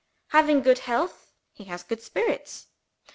Having good health, he has good spirits.